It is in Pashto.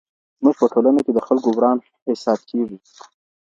زمونږ په ټولنه کي د خلګو وران حساب کېږي.